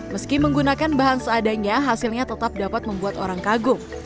meski menggunakan bahan seadanya hasilnya tetap dapat membuat orang kagum